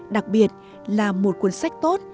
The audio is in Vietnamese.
đặc biệt là một cuốn sách tốt